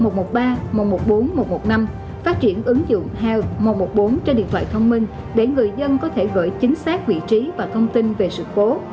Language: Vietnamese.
chúng ta đã phát triển ứng dụng health một trăm một mươi bốn trên điện thoại thông minh để người dân có thể gửi chính xác vị trí và thông tin về sự phố